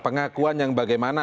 pengakuan yang bagaimana